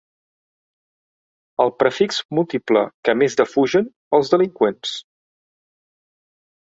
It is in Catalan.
El prefix múltiple que més defugen els delinqüents.